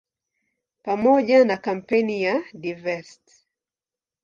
Pamoja na kampeni ya "Divest!